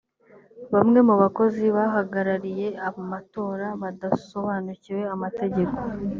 bamwe mu bakozi bahagarariye amatora badasobanukiwe amategeko